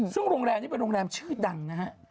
ซึ่งโรงแรมนี้เป็นโรงแรมชื่อดังนะฮะ